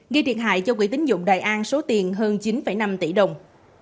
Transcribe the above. gây thiệt hại cho quỹ tính dụng đại an số tiền hơn chín năm tỷ đồng